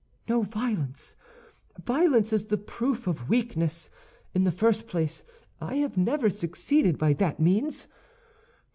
"No violence; violence is the proof of weakness. In the first place, I have never succeeded by that means.